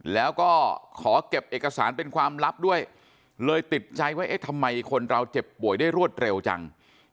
แล้วก็ขอเก็บเอกสารเป็นความลับด้วยเลยติดใจว่าเอ๊ะทำไมคนเราเจ็บป่วยได้รวดเร็วจัง